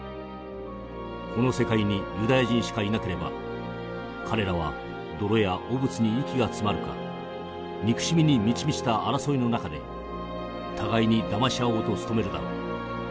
この世界にユダヤ人しかいなければ彼らは泥や汚物に息が詰まるか憎しみに満ち満ちた争いの中で互いにだまし合おうと努めるだろう。